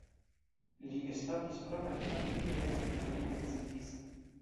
Li establis propran atelieron kaj li edziĝis.